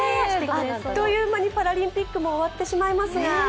あっという間にパラリンピックも終わってしまいますが。